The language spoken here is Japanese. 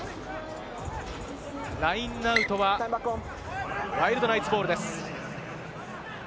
ラインアウトはワイルドナイツボールです。